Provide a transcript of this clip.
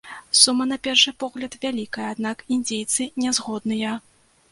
Сума, на першы погляд, вялікая, аднак індзейцы не згодныя.